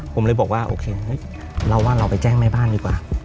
ผมเลยบอกว่าโอเคเราว่าเราไปแจ้งแม่บ้านดีกว่า